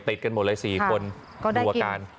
ติดกันหมดเลย๔คนดูอาการ